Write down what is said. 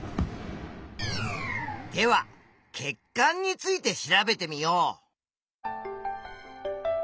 では血管について調べてみよう！